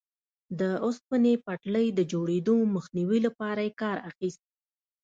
د اوسپنې پټلۍ د جوړېدو مخنیوي لپاره یې کار اخیست.